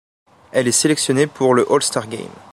Elle est sélectionnée pour le All-Star Game.